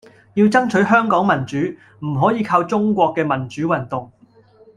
要爭取香港民主，唔可以靠中國嘅民主運動